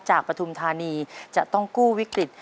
ปฐุมธานีจะต้องกู้วิกฤต